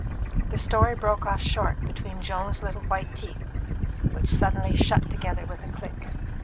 The story broke off short between Joan's little white teeth, which suddenly shut together with a click.